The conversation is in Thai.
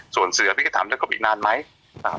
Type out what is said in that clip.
ส่วนเสือพี่ก็ถามจะกบอีกนานไหม